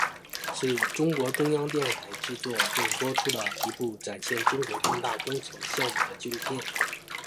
是中国中央电视台制作并播出的一部展现中国重大工程项目的纪录片。